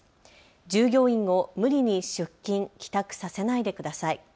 従業員を無理に出勤、帰宅させないでください。